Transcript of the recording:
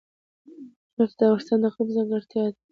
نفت د افغانستان د اقلیم ځانګړتیا ده.